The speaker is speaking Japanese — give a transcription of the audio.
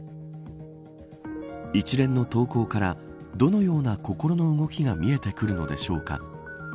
一連の投稿からどのような心の動きが見えてくるのでしょうか。